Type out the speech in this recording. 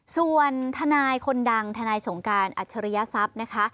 ส่วนทนายคนดังทนายสงการอัจฉริยทรัพย์นะคะ